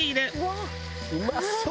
「うまそう！」